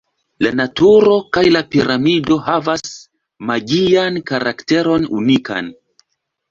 La naturo kaj la piramido havas magian karakteron unikan.